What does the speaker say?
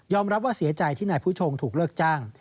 รับว่าเสียใจที่นายผู้ชงถูกเลิกจ้าง